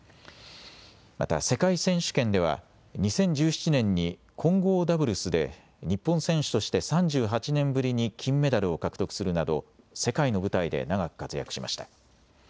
また世界選手権では、２０１７年に混合ダブルスで日本選手として３８年ぶりに金メダルを獲得するなど、世界の舞台で長く活躍しました。